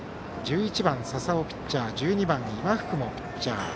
１１番、笹尾、ピッチャー１２番、今福もピッチャー。